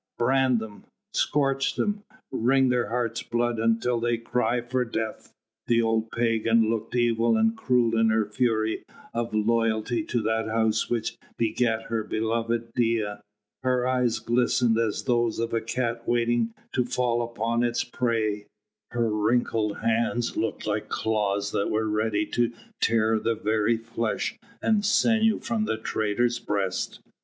brand them ... scourge them ... wring their heart's blood until they cry for death...!" The old pagan looked evil and cruel in her fury of loyalty to that house which begat her beloved Dea. Her eyes glistened as those of a cat waiting to fall upon its prey; her wrinkled hands looked like claws that were ready to tear the very flesh and sinew from the traitor's breast.